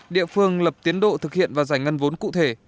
địa phương lập tiến độ thực hiện và giải ngân vốn cụ thể